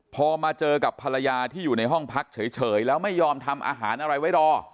พอมาเจอกับภรรยาที่อยู่ในห้องพักเฉยแล้วไม่ยอมทำอาหารอะไรไว้รอ